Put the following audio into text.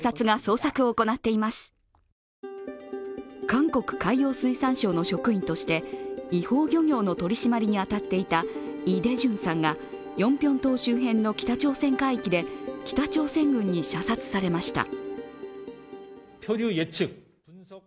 韓国海洋水産省の職員として違法漁業の取締りに当たっていたイ・デジュンさんがヨンピョン島周辺の北朝鮮海域で北朝鮮軍に射殺されました。